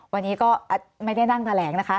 วันนี้ก็ไม่ได้นั่งแถลงนะคะ